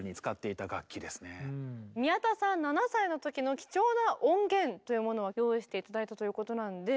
宮田さん７歳の時の貴重な音源というものを用意して頂いたということなんで。